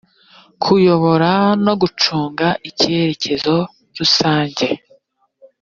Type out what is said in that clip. kuyobora no gucunga icyerekezo rusange